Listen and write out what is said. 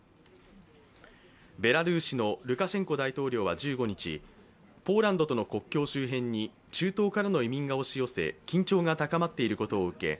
ベラルーシのルカシェンコ大統領は１５日、ポーランドとの国境周辺に、中東からの移民が押し寄せ、緊張が高まっていることを受け